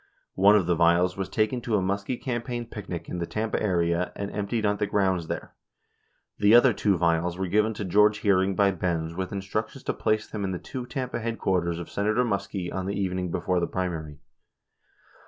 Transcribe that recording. One of the vials was taken to a Muskie campaign picnic in the Tampa area and emptied at the grounds there . 28 The other two vials were given to George Hearing by Benz with instructions to place them in the two Tampa headquarters of Senator Muskie on the evening before the primary.